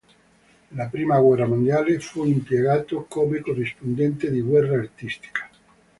Nella Prima guerra mondiale fu impiegato come corrispondente di guerra artistica.